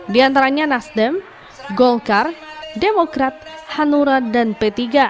di antaranya nasdem golkar demokrat hanura dan p tiga